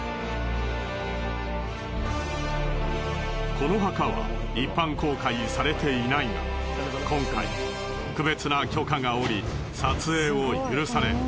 この墓は一般公開されていないが今回特別な許可が下り撮影を許された。